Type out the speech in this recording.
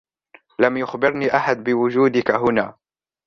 لم يخبرني أحد بوجودك هنا.